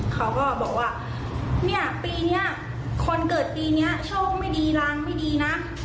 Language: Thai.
เขาก็บอกว่าเนี่ยปีนี้คนเกิดปีนี้โชคไม่ดีรางไม่ดีนะ